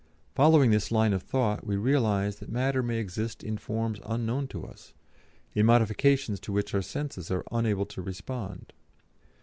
Following this line of thought we realise that matter may exist in forms unknown to us, in modifications to which our senses are unable to respond.